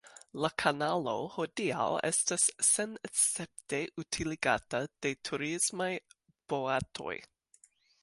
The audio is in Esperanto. La kanalo hodiaŭ estas senescepte utiligata de turismaj boatoj.